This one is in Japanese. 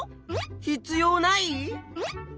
必要ない？